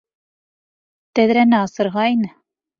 Тәҙрәне асырға ине!